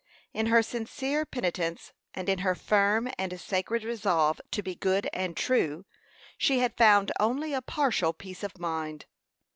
In her sincere penitence, and in her firm and sacred resolve to be good and true, she had found only a partial peace of mind.